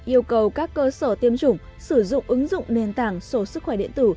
yêu cầu các cơ sở tiêm chủng sử dụng ứng dụng nền tảng số sức khỏe điện tử